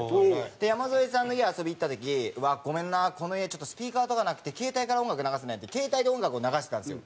で山添さんの家に遊びに行った時に「ごめんなこの家スピーカーとかなくて携帯から音楽流すねん」って携帯で音楽を流してたんですよ。